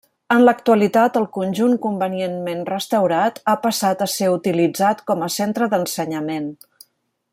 En l'actualitat, el conjunt convenientment restaurat, ha passat a ser utilitzat com a centre d'ensenyament.